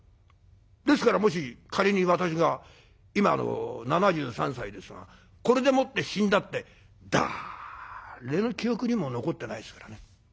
ですからもし仮に私が今７３歳ですがこれでもって死んだってだれの記憶にも残ってないですからね。